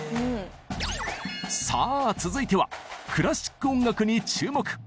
さあ続いてはクラシック音楽に注目。